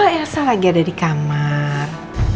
elsa lagi ada di kamar